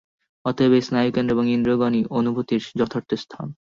অতএব এই স্নায়ুকেন্দ্র বা ইন্দ্রিয়গণই অনুভূতির যথার্থ স্থান।